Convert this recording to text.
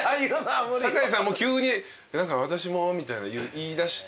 坂井さんも急に「私も」みたいなの言いだした。